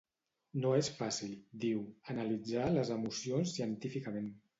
No és fàcil, diu, analitzar les emocions científicament.